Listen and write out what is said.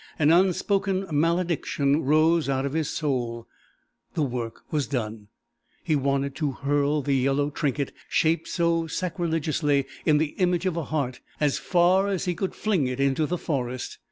An unspoken malediction rose out of his soul. The work was done! He wanted to hurl the yellow trinket, shaped so sacrilegiously in the image of a heart, as far as he could fling it into the forest.